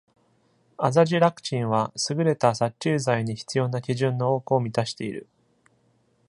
アザジラクチンは優れた殺虫剤に必要な基準の多くを満たしている。